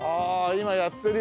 今やってるよ。